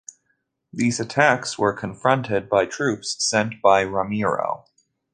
These attacks were confronted by troops sent by Ramiro.